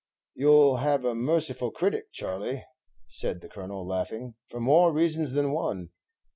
"You 'll have a merciful critic, Charley," said the Colonel, laughing, "for more reasons than one.